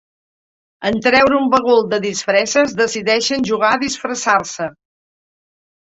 En treure un bagul de disfresses, decideixen jugar a disfressar-se.